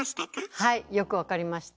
はいよく分かりました。